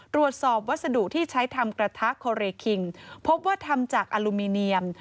วัสดุที่ใช้ทำกระทะโคเรคิงพบว่าทำจากอลูมิเนียม